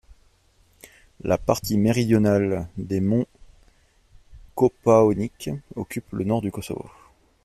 La partie méridionale des monts Kopaonik occupe le nord du Kosovo.